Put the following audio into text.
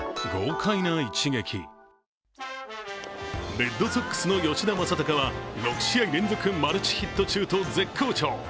レッドソックスの吉田正尚は６試合連続マルチヒット中と絶好調。